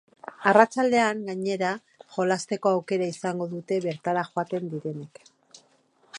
Arratsaldean, gainera, jolasteko aukera izango dute bertara joaten direnek.